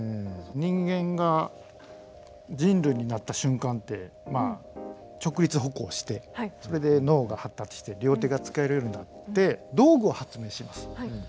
人間が人類になった瞬間ってまあ直立歩行してそれで脳が発達して両手が使えるようになって道具を発明します。